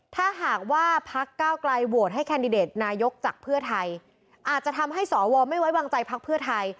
ถ้าหากว่าพักเก้าไกลโหวตให้แคนดิเดตนายกจากเพื่อไทยอาจจะทำให้สวไม่ไว้วางใจพักเพื่อไทย